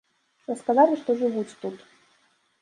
Расказалі, што жывуць тут.